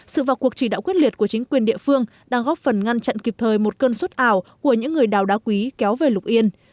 sự vào cuộc chỉ đạo quyết liệt của chính quyền địa phương đang góp phần ngăn chặn kịp thời một cơn sốt ảo của những người đào đá quý kéo về lục yên